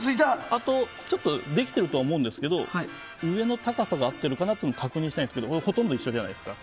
あとできているとは思うんですが上の高さが合っているかも確認したいんですがほとんど一緒じゃないですか。